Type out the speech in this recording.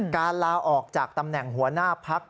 ลาออกจากตำแหน่งหัวหน้าพัก